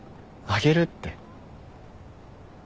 「あげる」って。